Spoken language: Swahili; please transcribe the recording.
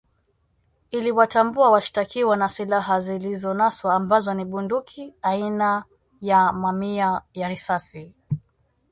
iliwatambua washtakiwa na silaha zilizonaswa ambazo ni bunduki aina ya na mamia ya risasi